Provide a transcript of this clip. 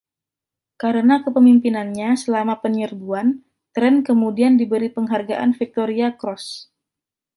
Karena kepemimpinannya selama penyerbuan, Trent kemudian diberi penghargaan Victoria Cross.